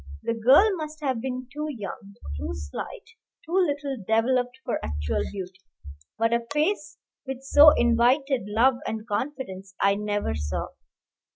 The girl must have been too young, too slight, too little developed for actual beauty; but a face which so invited love and confidence I never saw.